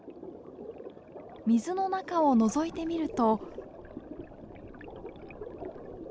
水の中をのぞいてみると。